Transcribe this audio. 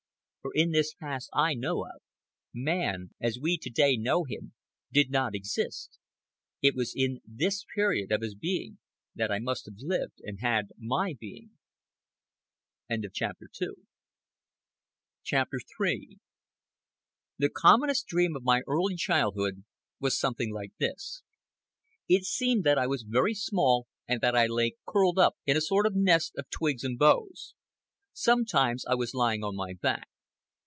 For in this past I know of, man, as we to day know him, did not exist. It was in the period of his becoming that I must have lived and had my being. CHAPTER III The commonest dream of my early childhood was something like this: It seemed that I was very small and that I lay curled up in a sort of nest of twigs and boughs. Sometimes I was lying on my back.